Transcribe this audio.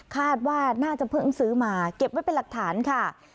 คาดว่าน่าจะเพิ่งซื้อมาเก็บไว้เป็นหลักฐานค่ะ